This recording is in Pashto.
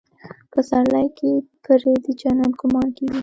پسرلي کې پرې د جنت ګمان کېږي.